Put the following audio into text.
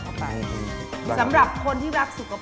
เพราะฉะนั้นถ้าใครอยากทานเปรี้ยวเหมือนโป้แตก